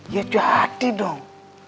ya jadi dong